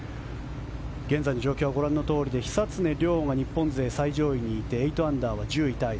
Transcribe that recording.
現在の状況はご覧のとおりで久常涼が日本勢最上位にいて８アンダーは１０位タイ。